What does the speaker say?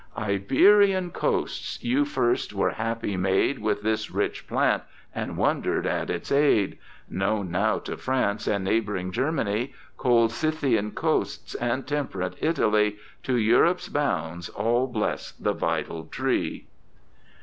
Iberian coasts, you first were happy made With this rich plant, and wonder'd at its aid ; Known now to France and neighbouring Germany, Cold Scythian coasts, and temp rate Italy, To Europe's bounds all bless the vital tree.